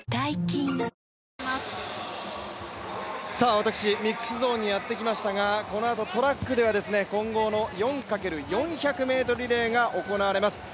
私、ミックスゾーンにやってきましたが、このあとトラックでは混合の４×４００ｍリレーが行われます。